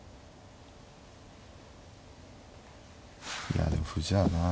いやでも歩じゃなあ。